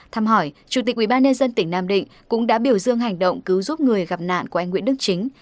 thăm hỏi chủ tịch ubnd tỉnh nam định cũng đã biểu dương hành động cứu giúp người gặp nạn của anh nguyễn đức chính